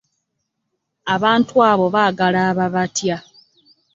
Abantu abo baagala ababatya.